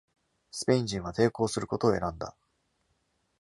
スペイン人は抵抗することを選んだ。